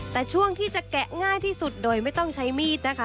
แต่ช่วงที่จะแกะง่ายที่สุดโดยไม่ต้องใช้มีดนะคะ